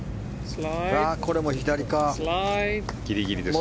これも左か。